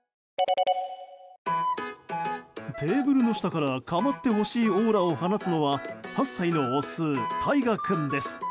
テーブルの下からかまってほしいオーラを放つのは８歳のオス、大河君です。